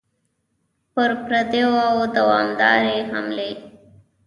پر پردیو دوامدارې حملې.